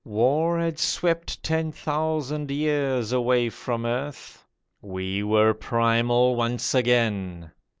War had swept ten thousand years away from earth. We were primal once again.